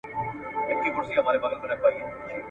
ویل سته خو عمل نسته !.